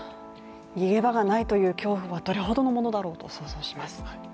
逃げ場がないという恐怖はどれほどのものだろうと想像します。